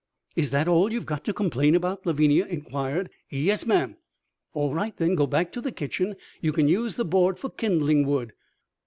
"Is that all you've got to complain about?" Lavinia inquired. "Yes, ma'am." "All right, then. Go back to the kitchen. You can use the board for kindling wood."